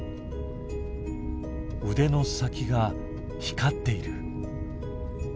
腕の先が光っている！？